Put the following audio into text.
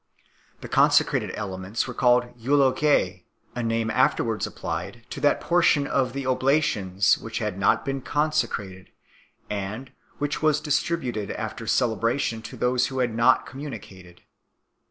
The conse crated elements were called Eulogise, a name afterwards applied to that portion of the oblations which had not been consecrated, and which was distributed after celebra tion to those who had not communicated 5